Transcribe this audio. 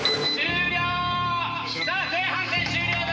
さあ前半戦終了だ。